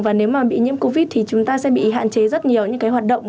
và nếu mà bị nhiễm covid thì chúng ta sẽ bị hạn chế rất nhiều những cái hoạt động